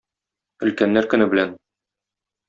Өлкәннәр көне белән!